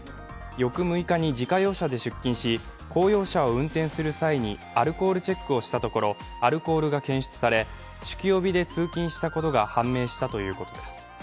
翌６日に自家用車で出勤し、公用車を運転する際にアルコールチェックをしたところアルコールが検出され酒気帯びで通勤したことが判明したということです。